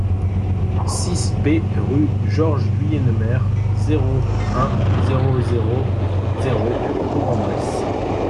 six B rue Georges Guynemer, zéro un, zéro zéro zéro, Bourg-en-Bresse